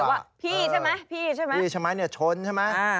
ว่าพี่ใช่ไหมพี่ใช่ไหมชนใช่ไหม